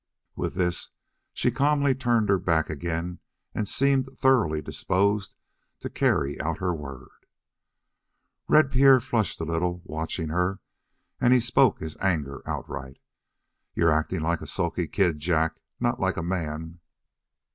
With this she calmly turned her back again and seemed thoroughly disposed to carry out her word. Red Pierre flushed a little, watching her, and he spoke his anger outright: "You're acting like a sulky kid, Jack, not like a man."